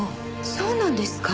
そうなんですか？